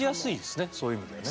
そういう意味ではね。